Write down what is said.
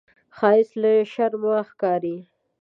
ښایست له شرمه ښکاري